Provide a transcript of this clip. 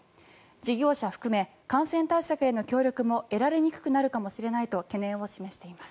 事業者含め感染対策への協力も得られにくくなるかもしれないと懸念を示しています。